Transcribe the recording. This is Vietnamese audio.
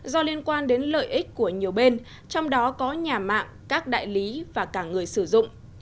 do liên quan đến lợi ích của nhiều bên trong đó có nhà mạng các đại lý và cả người sử dụng